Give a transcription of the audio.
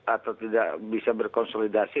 atau tidak bisa berkonsolidasi